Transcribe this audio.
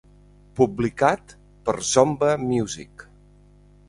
Publicat per Zomba Music.